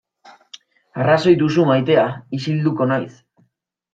Arrazoi duzu maitea, isilduko naiz.